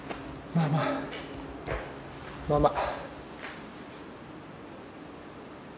まあまあまあまあ。